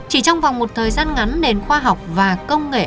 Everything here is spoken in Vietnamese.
chỉ trong vòng một thời gian ngắn nền khoa học và công nghệ